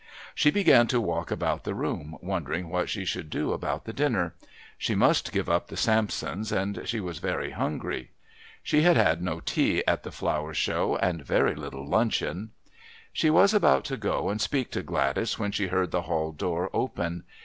She began to walk about the room, wondering what she should do about the dinner. She must give up the Sampsons, and she was very hungry. She had had no tea at the Flower Show and very little luncheon. She was about to go and speak to Gladys when she heard the hall door open.